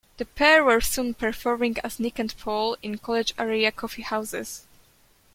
The pair were soon performing as Nick and Paul in college-area coffee houses.